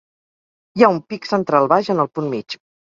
Hi ha un pic central baix en el punt mig.